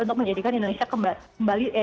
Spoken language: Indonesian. untuk menjadikan indonesia kembali